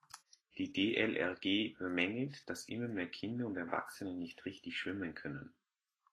Die DLRG bemängelt, dass immer mehr Kinder und Erwachsene nicht richtig schwimmen können.